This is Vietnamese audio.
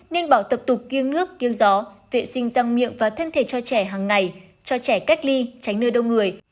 nên bỏ tập tục kiêng nước kiêng gió vệ sinh răng miệng và thân thể cho trẻ hằng ngày cho trẻ cách ly tránh nơi đông người